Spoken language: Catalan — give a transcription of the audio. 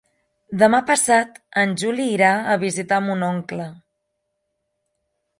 Demà passat en Juli irà a visitar mon oncle.